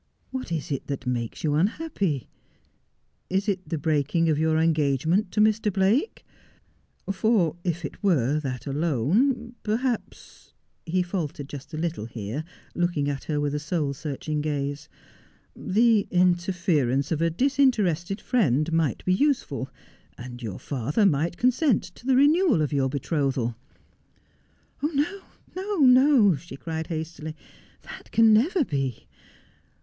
What is it that makes you unhappy 1 Is it the breaking of your engagement to Mr. Blake 1 For if it were that alone, perhaps,' he faltered just a little here, looking at her with a soul searching gaze, ' the interference of a disinterested friend might be useful, and your father might consent to the renewal of your betrothal '' No, no, no,' she cried hastily, ' that can never be.